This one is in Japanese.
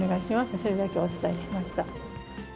それだけお伝えしました。